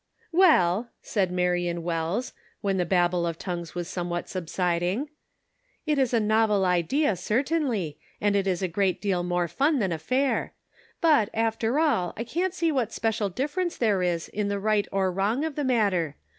" Well," said Marion Wells, when the babel 258 The Pocket Measure. of tongues was somewhat subsiding, "it is a novel idea, certainly, and it is a great deal more fun than a fair; but, after all, I can't see what special difference there is in the right or wrong of the matter.